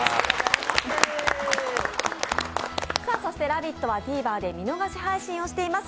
「ラヴィット！」はＴｖｅｒで見逃し配信をしています。